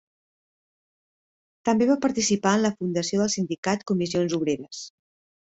També va participar en la fundació del sindicat Comissions Obreres.